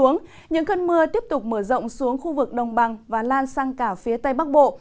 những cơn mưa tiếp tục mở rộng xuống khu vực đồng bằng và lan sang cả phía tây bắc bộ